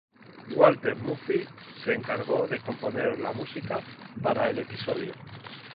Walter Murphy se encargó de componer la música para el episodio.